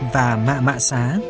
và mạ mạ xá